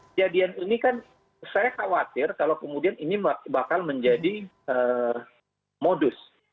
kejadian ini kan saya khawatir kalau kemudian ini bakal menjadi modus